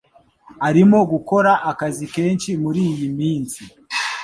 Arimo gukora akazi kenshi muri iyi minsi